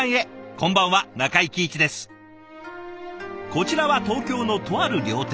こちらは東京のとある料亭。